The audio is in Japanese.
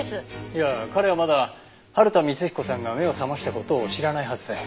いや彼はまだ春田光彦さんが目を覚ました事を知らないはずだよ。